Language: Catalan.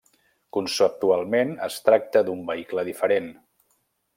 Conceptualment es tracta d'un vehicle diferent.